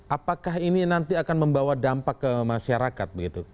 apakah ini nanti akan membawa dampak ke masyarakat begitu